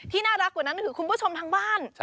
น่ารักกว่านั้นคือคุณผู้ชมทางบ้าน